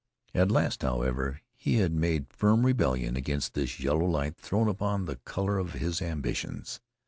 At last, however, he had made firm rebellion against this yellow light thrown upon the color of his ambitions.